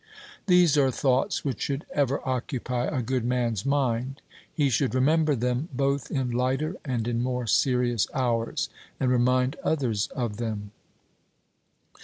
These are thoughts which should ever occupy a good man's mind; he should remember them both in lighter and in more serious hours, and remind others of them.